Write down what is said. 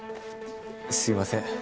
すいません。